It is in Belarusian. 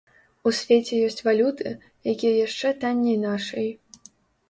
У свеце ёсць валюты, якія яшчэ танней нашай.